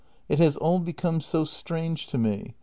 It has all become so strange to me.